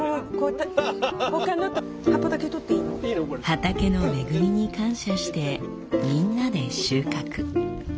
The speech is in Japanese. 畑の恵みに感謝してみんなで収穫。